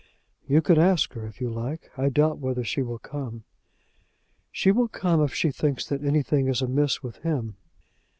"You can ask her, if you like. I doubt whether she will come." "She will come if she thinks that anything is amiss with him."